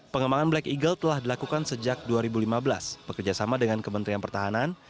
pengembangan black eagle telah dilakukan sejak dua ribu lima belas bekerjasama dengan kementerian pertahanan